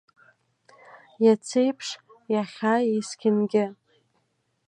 Иацеиԥш, иахьа, есқьынгьы.